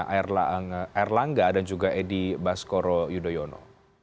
anak pertamanya erlangga dan juga edi baskoro yudhoyono